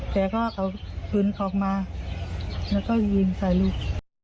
แกก็เอาปืนออกมาแล้วก็ยิงใส่ลูก